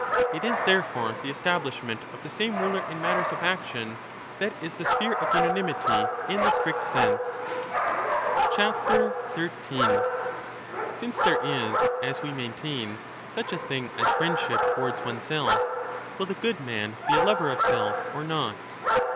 It is therefore the establishment of the same ruler in matters of action that is the sphere of unanimity in the strict sense. Since there is, as we maintain,^ such a thing as friendship 13 towards oneself, will the good man be a lover of self or not